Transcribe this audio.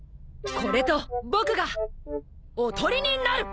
これと僕がおとりになる！